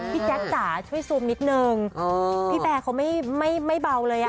แจ๊คจ๋าช่วยซูมนิดนึงพี่แบร์เขาไม่เบาเลยอ่ะ